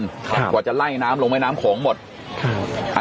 เราก่อนจะไล่น้ำลงแม่น้ำโขงอันโคตร